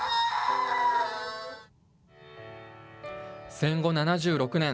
戦後７６年。